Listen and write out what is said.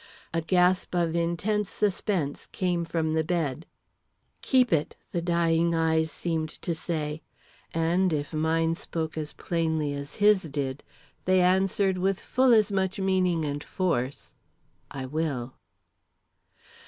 A gasp of intense suspense came from the bed. "Keep it," the dying eyes seemed to say; and if mine spoke as plainly as his did, they answered with full as much meaning and force: "I will."